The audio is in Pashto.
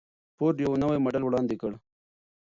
فورډ یو نوی ماډل وړاندې کړ.